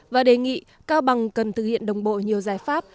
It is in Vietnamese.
và đề nghị cao bằng cần thực hiện đồng bộ nhiều giải pháp